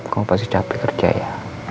kamu pasti capek kerja ya